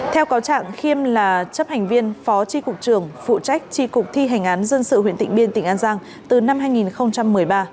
theo cáo trạng khiêm là chấp hành viên phó tri cục trường phụ trách tri cục thi hành án dân sự huyện tỉnh biên tỉnh an giang từ năm hai nghìn một mươi ba